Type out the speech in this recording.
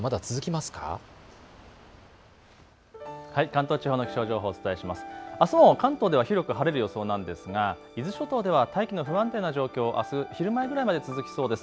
あすも関東では広く晴れる予想なんですが、伊豆諸島では大気の不安定な状況があす昼前ぐらいまで続きそうです。